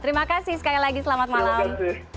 terima kasih sekali lagi selamat malam